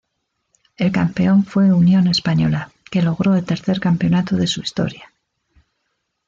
El campeón fue Unión Española, que logró el tercer campeonato de su historia.